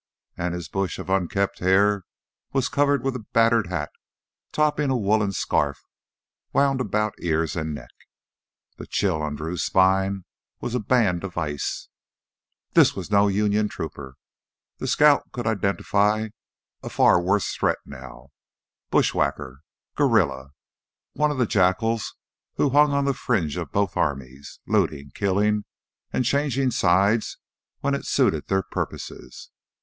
And his bush of unkempt hair was covered with a battered hat topping a woolen scarf wound about ears and neck. The chill on Drew's spine was a band of ice. This was no Union trooper. The scout could identify a far worse threat now bushwhacker ... guerrilla, one of the jackals who hung on the fringe of both armies, looting, killing, and changing sides when it suited their purposes.